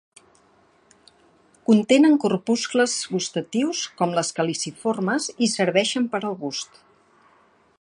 Contenen corpuscles gustatius, com les caliciformes, i serveixen per al gust.